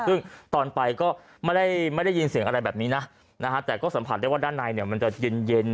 ซึ่งตอนไปก็ไม่ได้ยินเสียงอะไรแบบนี้นะนะฮะแต่ก็สัมผัสได้ว่าด้านในเนี่ยมันจะเย็นเย็น